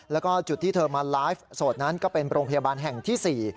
แล้วก็จุดที่เธอมาไลฟ์สดนั้นก็เป็นโรงพยาบาลแห่งที่๔